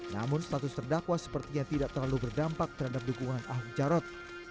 namun status terdakwa sepertinya tidak terlalu berdampak terhadap dukungan ahok jarot